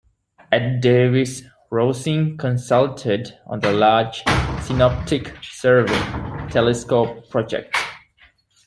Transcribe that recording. At Davis, Rosing consulted on the Large Synoptic Survey Telescope project.